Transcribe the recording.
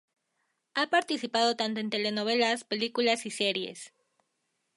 Ha participado tanto en telenovelas, películas y series.